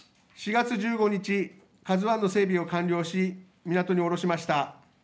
４月１５日、ＫＡＺＵＩの整備を完了し港におろしました。